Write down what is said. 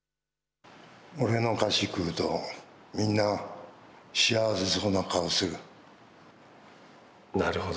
俺の菓子食うと、みんな、幸せそうな顔する。